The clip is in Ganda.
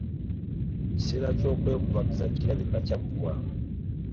Ekiseera ky'okwekubagiza kirabika kyaggwa.